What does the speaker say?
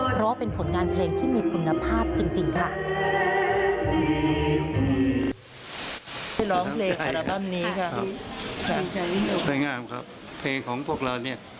เพราะว่าเป็นผลงานเพลงที่มีคุณภาพจริงค่ะ